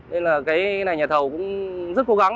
nên nhà thầu cũng rất cố gắng